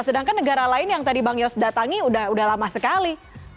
sedangkan negara lain yang tadi bang yos datangi udah lama sekali